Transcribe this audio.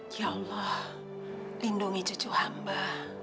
ya allah lindungi cucu hamba